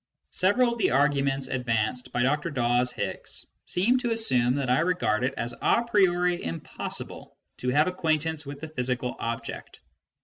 Several of the arguments advanced by Dr. Dawes Hicks seem to assume that I regard it as a priori impossible to have acquain tance with the physical object.